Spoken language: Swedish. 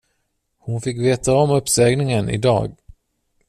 Hon fick veta om uppsägningen i dag.